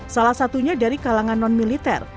salah satunya dari kalangan non militer